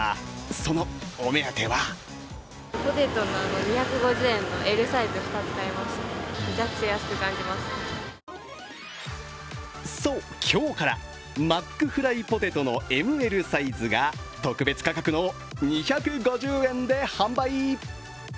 そのお目当てはそう、今日からマックフライポテトのＭ・Ｌサイズが特別価格の２５０円で販売。